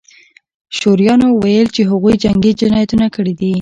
شورویانو ویل چې هغوی جنګي جنایتونه کړي دي